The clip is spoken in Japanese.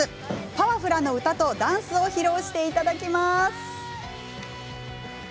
パワフルな歌とダンスを披露していただきます。